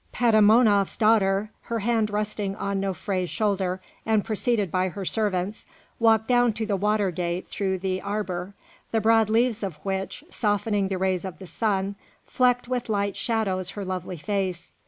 Petamounoph's daughter, her hand resting on Nofré's shoulder, and preceded by her servants, walked down to the water gate through the arbour, the broad leaves of which, softening the rays of the sun, flecked with light shadows her lovely face.